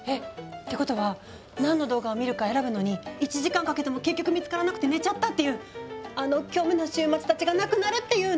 ってことは何の動画を見るか選ぶのに１時間かけても結局見つからなくて寝ちゃったっていうあの虚無の週末たちがなくなるっていうの？